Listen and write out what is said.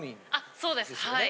そうですはい。